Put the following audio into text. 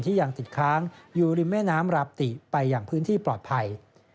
ยังติดค้างอยู่ริมแม่น้ำราบติไปอย่างพื้นที่ปลอดภัย